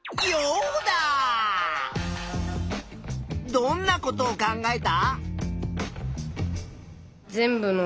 どんなことを考えた？